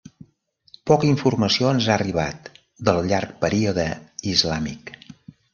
Poca informació ens ha arribat del llarg període islàmic.